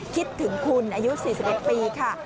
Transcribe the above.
คิดถึงคุณอายุ๔๑ปีค่ะ